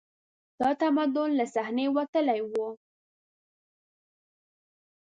دا تمدن له صحنې وتلی و